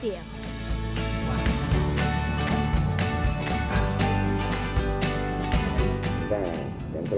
kita gantungan akan dulu